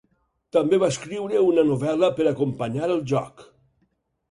També va escriure una novel·la per acompanyar el joc.